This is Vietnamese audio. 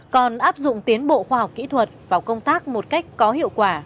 còn áp dụng tiến bộ khoa học kỹ thuật vào công tác một cách có hiệu quả